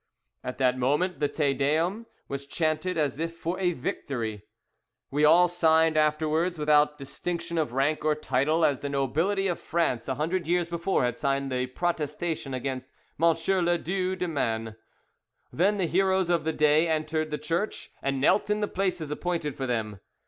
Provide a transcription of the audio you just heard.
At that moment the Te Deum was chanted as if for a victory. We all signed afterwards, without distinction of rank or title, as the nobility of France a hundred years before had signed the protestation against Monsieur le Due du Maine. Then the heroes of the day entered the church, and knelt in the places appointed for them.